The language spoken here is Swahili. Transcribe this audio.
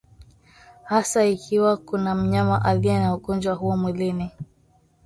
hasa ikiwa kuna mnyama aliye na ugonjwa huo mwilini